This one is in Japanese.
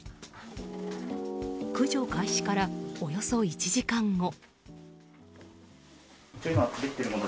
駆除開始からおよそ１時間後。